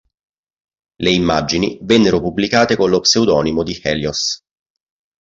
Le immagini vennero pubblicate con lo pseudonimo di "“Helios”".